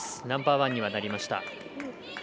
ナンバーワンにはなりました。